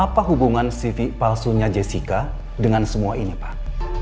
apa hubungan cv palsunya jessica dengan semua ini pak